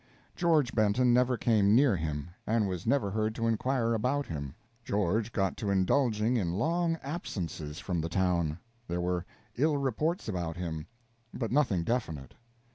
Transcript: George Benton never came near him, and was never heard to inquire about him. George got to indulging in long absences from the town; there were ill reports about him, but nothing definite.